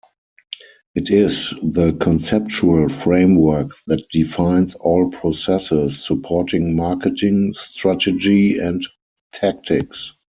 It is the conceptual framework that defines all processes supporting marketing strategy and tactics.